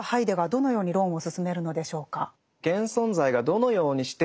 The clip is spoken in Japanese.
どのように論を進めるのでしょうか？